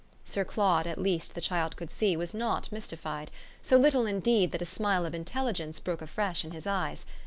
Sir Claude at least, the child could see, was not mystified; so little indeed that a smile of intelligence broke afresh in his eyes.